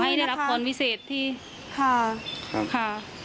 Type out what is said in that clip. ขอให้ได้รับควรวิเศษที่ค่ะ